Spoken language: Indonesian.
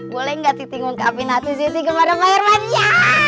boleh gak ditinggung kabinasi si tai kepada pak herman ya